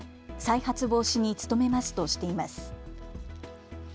再発防止に努めますとしています。